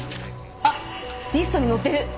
あっリストに載ってる！